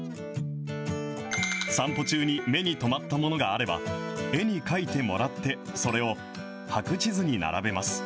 散歩中に目に留まったものがあれば、絵に描いてもらってそれを白地図に並べます。